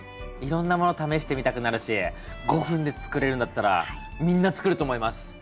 いろんなもの試してみたくなるし５分で作れるんだったらみんな作ると思います。